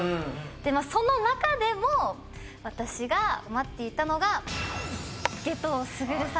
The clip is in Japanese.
でもその中でも私が待っていたのが「夏油傑」様。